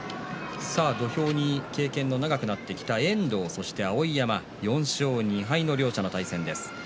土俵に経験が長くなってきた遠藤、碧山４勝２敗の両者の対戦です。